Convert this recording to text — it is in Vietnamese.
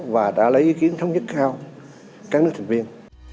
và đã lấy ý kiến thống nhất cao các nước thành viên